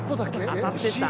当たってた。